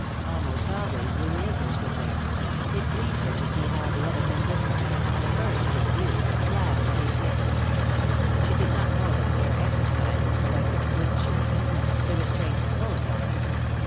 Almost always Louis Akers was there; it pleased her to see how the other men listened to him, deferred to his views, laughed at his wit. She did not know the care exercised in selecting the groups she was to meet, the restraints imposed on them.